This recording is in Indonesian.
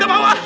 gak mau ah